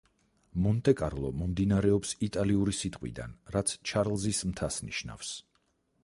მონტე-კარლო მომდინარეობს იტალიური სიტყვიდან, რაც „ჩარლზის მთას“ ნიშნავს.